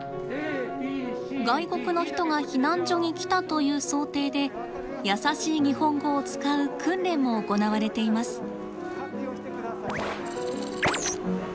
外国の人が避難所に来たという想定で「やさしい日本語」を使う訓練も行われています。